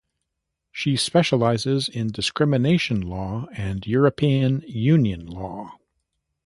She specialises in discrimination law and European Union law.